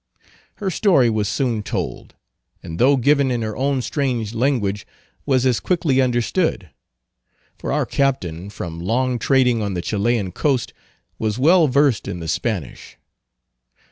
Her story was soon told, and though given in her own strange language was as quickly understood; for our captain, from long trading on the Chilian coast, was well versed in the Spanish.